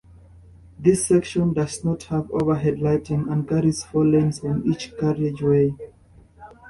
This section does not have overhead lighting and carries four lanes on each carriageway.